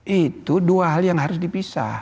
itu dua hal yang harus dipisah